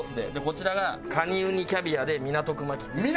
こちらがカニウニキャビアで港区巻きっていう。